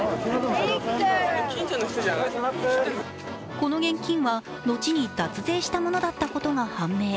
この現金は、後に脱税したものだったことが判明。